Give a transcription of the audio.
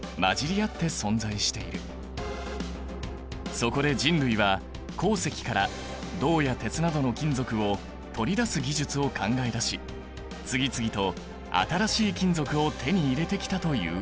そこで人類は鉱石から銅や鉄などの金属を取り出す技術を考え出し次々と新しい金属を手に入れてきたというわけだ。